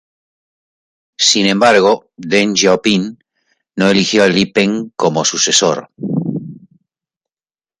Sin embargo, Deng Xiaoping no eligió a Li Peng como sucesor.